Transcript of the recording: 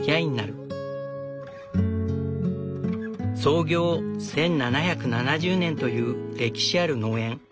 創業１７７０年という歴史ある農園。